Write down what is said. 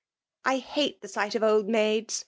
^<' I bate the sight of old maids